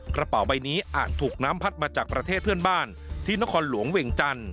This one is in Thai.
กระเป๋าใบนี้อาจถูกน้ำพัดมาจากประเทศเพื่อนบ้านที่นครหลวงเวียงจันทร์